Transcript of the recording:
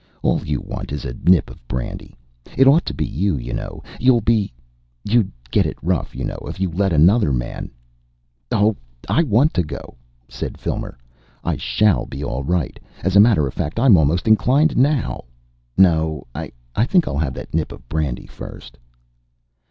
"All you want is a nip of brandy. It ought to be you, you know. You'll be you'd get it rough, you know, if you let another man " "Oh, I want to go," said Filmer. "I shall be all right. As a matter of fact I'm almost inclined NOW . No! I think I'll have that nip of brandy first."